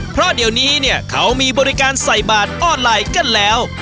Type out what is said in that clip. เพราะเดี๋ยวนี้เนี่ยเขามีบริการใส่บาทออนไลน์กันแล้ว